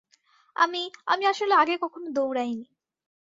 আমি, আমি আসলে আগে কখনও দৌড়াইনি।